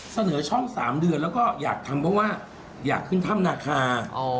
เสนอช่อง๓เดือนแล้วก็อยากทำเพราะว่าอยากขึ้นถ้ำนาคา